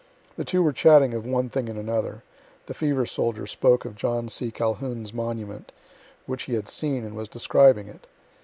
The two were chatting of one thing and another. The fever soldier spoke of John C. Calhoun's monument, which he had seen, and was describing it.